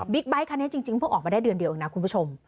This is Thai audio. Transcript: ไบท์คันนี้จริงเพิ่งออกมาได้เดือนเดียวเองนะคุณผู้ชม